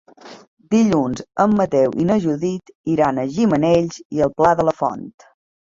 Dilluns en Mateu i na Judit iran a Gimenells i el Pla de la Font.